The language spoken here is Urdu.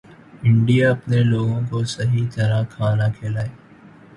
انڈیا اپنے لوگوں کو صحیح طرح کھانا کھلائے